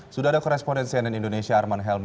sudah ada korespondensi yang di indonesia arman helmi